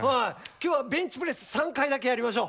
今日はベンチプレス３回だけやりましょう。